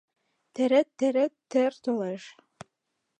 Терет, терет, тер толеш